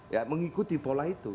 ya mengikuti pola itu